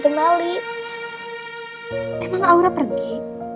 emang aura pergi